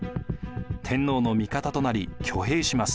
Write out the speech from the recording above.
天皇の味方となり挙兵します。